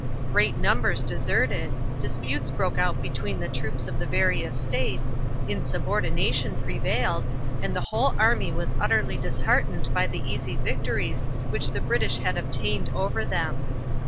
Great numbers deserted, disputes broke out between the troops of the various States, insubordination prevailed, and the whole army was utterly disheartened by the easy victories which the British had obtained over them.